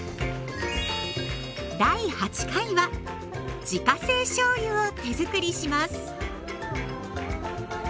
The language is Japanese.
第８回は自家製しょうゆを手づくりします。